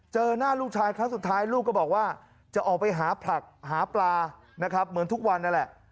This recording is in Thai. เจอหน้าลูกชายครั้งสุดท้ายลูกก็บอกว่าจะออกไปหาผลักหาปลานะครับเหมือนทุกวันนั่นแหละ